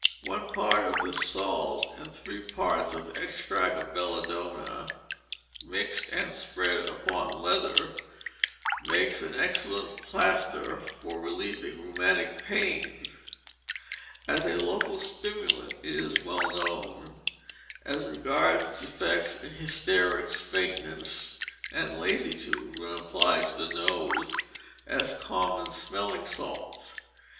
One part of this salt, and three parts of extract of belladonna, mixed and spread upon leather, makes an excellent plaster for relieving rheumatic pains. As a local stimulant it is well known, as regards its effects in hysterics, faintness, and lassitude, when applied to the nose, as common smelling salts.